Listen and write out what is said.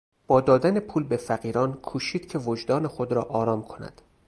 با دادن پول به فقیران کوشید که وجدان خود را آرام کند.